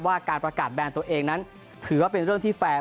การประกาศแบนตัวเองนั้นถือว่าเป็นเรื่องที่แฟร์